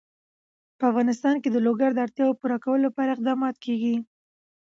په افغانستان کې د لوگر د اړتیاوو پوره کولو لپاره اقدامات کېږي.